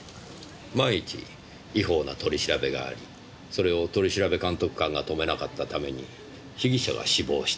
万一違法な取り調べがありそれを取調監督官が止めなかったために被疑者が死亡した。